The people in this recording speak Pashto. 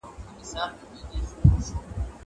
کېدای سي ليک اوږد وي.